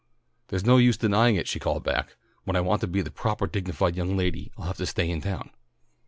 "There's no use denying it," she called back. "When I want to be the propah dignified young lady I'll have to stay in town.